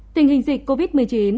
tình hình dịch covid một mươi chín